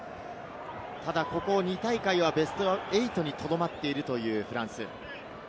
ただ、ここ２大会はベスト８にとどまっているというフランス。